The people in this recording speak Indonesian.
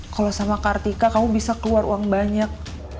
kalau sama kartika kamu bisa keluar uang banyak